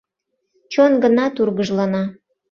Чон гына тургыжлана.